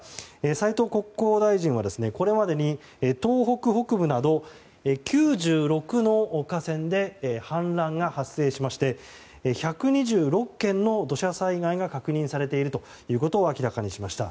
斉藤国交大臣は、これまでに東北北部など９６の河川で氾濫が発生しまして１２６件の土砂災害が確認されているということを明らかにしました。